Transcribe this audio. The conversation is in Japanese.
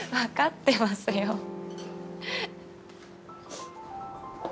分かってますよ。